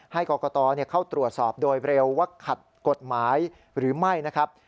ให้กรกตเข้าตรวจสอบโดยเร็วว่าขัดกฎหมายหรือไม่นะครับ